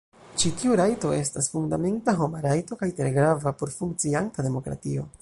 Ĉi tiu rajto estas fundamenta homa rajto kaj tre grava por funkcianta demokratio.